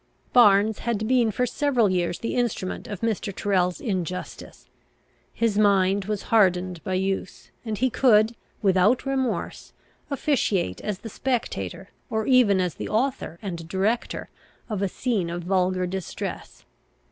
Barnes had been for several years the instrument of Mr. Tyrrel's injustice. His mind was hardened by use, and he could, without remorse, officiate as the spectator, or even as the author and director, of a scene of vulgar distress.